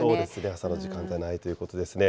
朝の時間はないということですね。